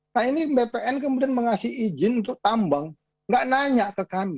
nah ini bpn kemudian mengasih izin untuk tambang nggak nanya ke kami